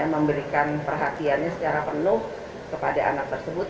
memberikan perhatiannya secara penuh kepada anak tersebut